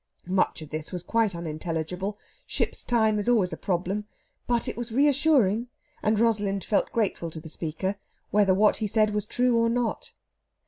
Much of this was quite unintelligible ship's time is always a problem but it was reassuring, and Rosalind felt grateful to the speaker, whether what he said was true or not.